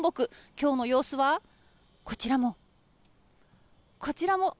今日の様子はこちらも、こちらも。